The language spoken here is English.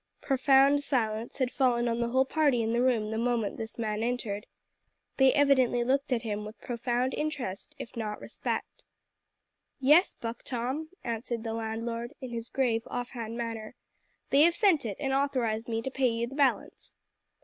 Profound silence had fallen on the whole party in the room the moment this man entered. They evidently looked at him with profound interest if not respect. "Yes, Buck Tom," answered the landlord, in his grave off hand manner; "They have sent it, and authorised me to pay you the balance."